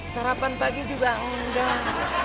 sarapan pagi juga enggak